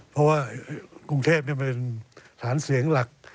เพราะว่ากรุงเทพเป็นฐานเสียงหลัก